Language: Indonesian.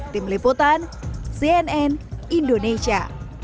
tim liputan cnn indonesia